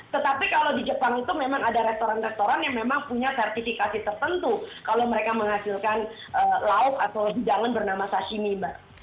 tetapi kalau di jepang itu memang ada restoran restoran yang memang punya sertifikasi tertentu kalau mereka menghasilkan lauk atau jalan bernama sashimi mbak